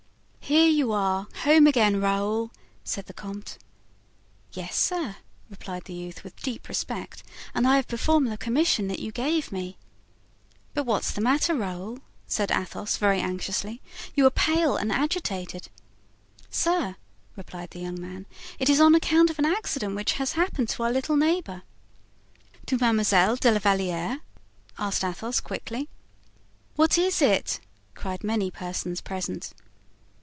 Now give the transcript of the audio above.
"Here you are, home again, Raoul," said the comte. "Yes, sir," replied the youth, with deep respect, "and I have performed the commission that you gave me." "But what's the matter, Raoul?" said Athos, very anxiously. "You are pale and agitated." "Sir," replied the young man, "it is on account of an accident which has happened to our little neighbor." "To Mademoiselle de la Valliere?" asked Athos, quickly. "What is it?" cried many persons present.